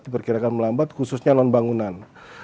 diperkirakan melambat khususnya non bangunan